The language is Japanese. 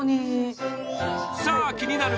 さあ、気になる